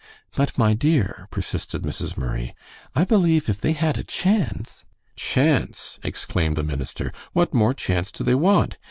"But, my dear," persisted Mrs. Murray, "I believe if they had a chance " "Chance!" exclaimed the minister; "what more chance do they want?